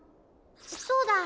そうだ！